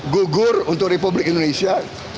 gugur untuk republik indonesia